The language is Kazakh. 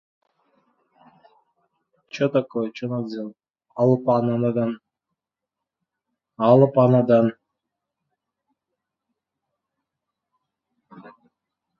Алып анадан.